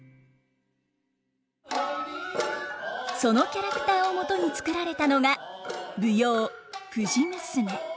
そのキャラクターをもとに作られたのが舞踊「藤娘」。